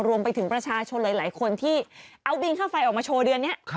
รวมไปถึงประชาชนหลายคนที่เอาบินค่าไฟออกมาโชว์เดือนนี้